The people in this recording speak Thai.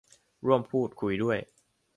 ร่วมพูดคุยด้วย